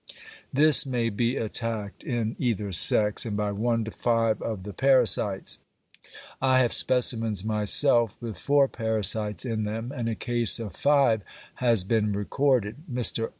This may be attacked in either sex, and by one to five of the parasites. I have specimens myself with four parasites in them, and a case of five has been recorded. Mr.